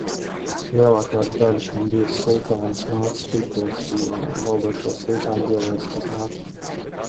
Lielākā daļa, kam bija Sultānes Mātes tituls, bija valdošo sultānu bioloģiskās mātes.